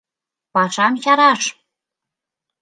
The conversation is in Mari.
Пашам чараш!